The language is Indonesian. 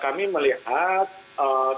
kalau kita ujung kepada konvensi a